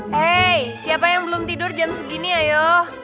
hei siapa yang belum tidur jam segini ayo